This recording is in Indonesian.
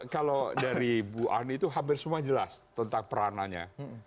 kalau dari bu ani itu hampir semua jelas tentang peranannya